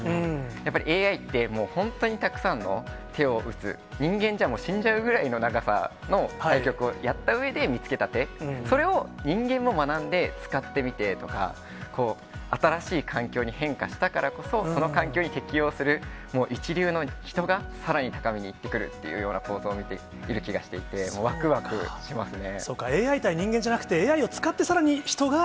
やっぱりＡＩって、もう本当にたくさんの手を打つ、人間じゃもう死んじゃうぐらいの長さの対局をやったうえで見つけた手、それを人間も学んで、使ってみてとか、こう、新しい環境に変化したからこそ、その環境に適応する一流の人がさらに高みに行ってくるっていう構造を見てる気がして、もうわくわくしますね。